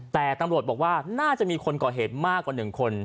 แต่ตำรวจบอกว่าน่าจะมีคนก่อเหตุมากกว่า๑คน